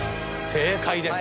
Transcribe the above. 正解です。